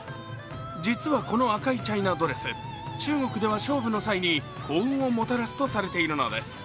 実はこの赤いチャイナドレス、中国では勝負の際に幸運をもたらすとされているのです。